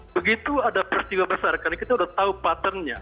begitu ada peristiwa besar karena kita sudah tahu patternnya